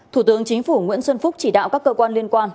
thủ tướng chính phủ nguyễn xuân phúc chỉ đạo các cơ quan liên quan